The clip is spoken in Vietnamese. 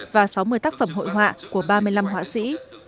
và sáu mươi tác phẩm hội họa của ba mươi năm họa sĩ